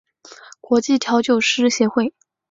国际调酒师协会